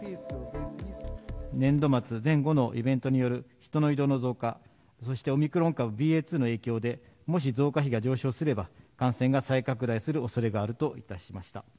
年度末前後のイベントによる人の移動の増加、そしてオミクロン株ＢＡ．２の影響で、もし増加比が上昇すれば、感染が再拡大するおそれがあるといたしました。